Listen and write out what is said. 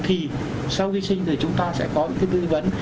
thì sau vi sinh thì chúng ta sẽ có những tư vấn